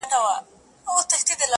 خبر اوسه چي دي نور ازارومه,